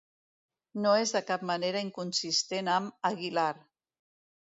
No és de cap manera inconsistent amb "Aguilar".